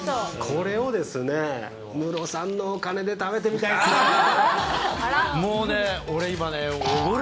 これをですね、ムロさんのお金で食べてみたいですねー。